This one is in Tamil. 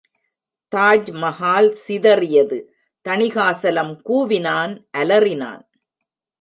தாஜ்மகால் சிதறியது! தணிகாசலம் கூவினான், அலறினான்.